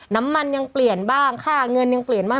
น้ำมันยังเปลี่ยนบ้างค่าเงินยังเปลี่ยนบ้าง